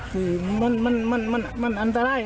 คือมันอันตราย